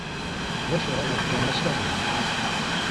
Vaşa haya nanaskani ren!